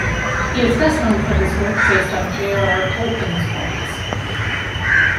He is best known for his work based on J. R. R. Tolkien's worlds.